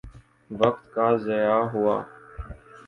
وقت کا ضیاع ہوا۔